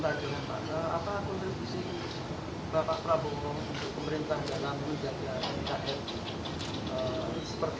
apa kondisi bapak prabowo untuk pemerintah dalam kebijakan yang terakhir